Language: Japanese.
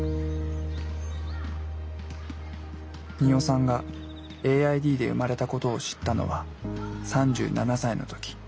鳰さんがＡＩＤで生まれたことを知ったのは３７歳の時。